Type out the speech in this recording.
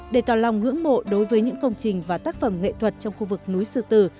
để tỏ lòng ngưỡng mộ đối với những công trình và tác phẩm nghệ thuật trong khu vực núi sư tử